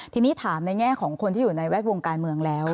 ทีนี้ถามในแง่ของคนที่อยู่ในแวดวงการเมืองแล้ว